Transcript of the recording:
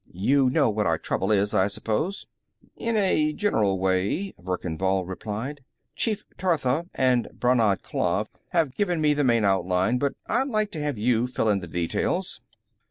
You know what our trouble is, I suppose?" "In a general way," Verkan Vall replied. "Chief Tortha, and Brannad Klav, have given me the main outline, but I'd like to have you fill in the details."